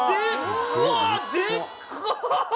うわでかっ！